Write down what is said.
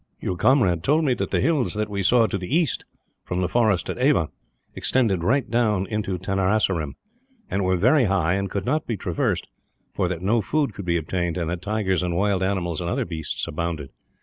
Your comrade told me that the hills that we saw to the east, from the forest at Ava, extended right down into Tenasserim; and were very high, and could not be traversed, for that no food could be obtained, and that tigers and wild animals and other beasts abounded.